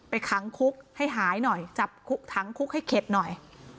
ค้างคุกให้หายหน่อยจับคุกค้างคุกให้เข็ดหน่อย